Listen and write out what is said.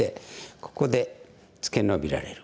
ここでツケノビられる。